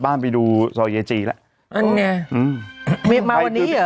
บ้านไปดูสวาร์เยจีแล้วอันเนี้ยหืมคือวิท